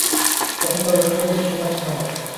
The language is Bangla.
তখন তার ঐশ্বর্যের সীমা ছিল না।